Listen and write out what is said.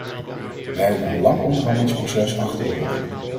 Wij hebben een lang onderhandelingsproces achter de rug.